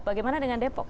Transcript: bagaimana dengan depok